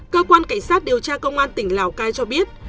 cơ quan cảnh sát điều tra công an tỉnh lào cai cho biết